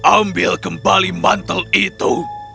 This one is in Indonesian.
ambil kembali mantel itu